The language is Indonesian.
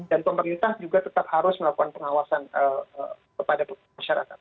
dan pemerintah juga tetap harus melakukan pengawasan kepada masyarakat